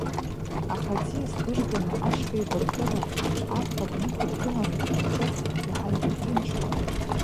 Аха аӡиас дырганы, ашьхеибаркыра абӷа днықәыргыланы дхынҳәыр, иаҳа игәы ҭынчхон.